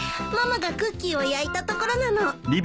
ママがクッキーを焼いたところなの。